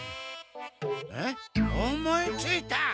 あっ思いついた！